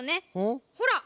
ほら！